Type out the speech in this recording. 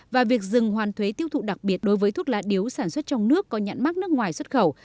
và việc dừng hoàn thuế tiêu thụ đặc biệt đối với thuốc lá điếu sản xuất trong nước có nhãn mắc nước ngoài xuất khẩu